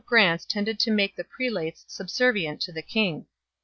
grants tended to make the prelates subservient to the king 1